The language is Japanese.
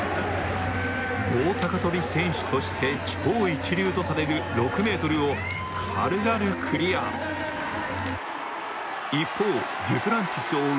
棒高跳選手として超一流とされる６ｍを軽々クリア一方デュプランティスを追う